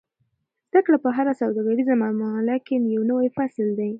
زده کړه په هره سوداګریزه معامله کې یو نوی فصل دی.